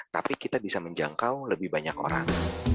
tapi kita bisa menjangkau lebih banyak orang